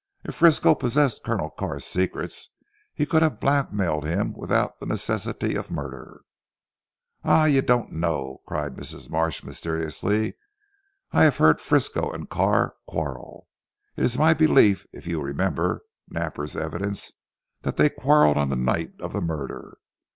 If Frisco possessed Colonel Carr's secrets he could have blackmailed him without the necessity of murder." "Ah, you don't know," said Mrs. Marsh mysteriously. "I have heard Frisco and Carr quarrel. It is my belief if you remember Napper's evidence that they quarrelled on the night of the murder.